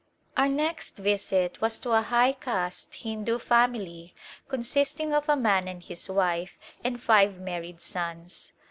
Our next visit was to a high caste Hindu family consisting of a man and his wife and five married sons.